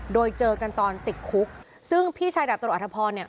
โดยเจอกันตอนติดคุกซึ่งพี่ชายดาบตรวจอัธพรเนี่ย